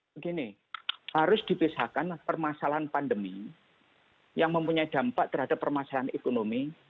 begini harus dipisahkan permasalahan pandemi yang mempunyai dampak terhadap permasalahan ekonomi